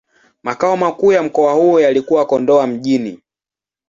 Makao makuu ya mkoa huo yalikuwa Kondoa Mjini.